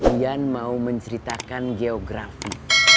uyan mau menceritakan geografi